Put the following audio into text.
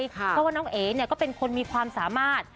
เพราะว่าน้องเอ๋ก็เป็นคนมีความสามารถ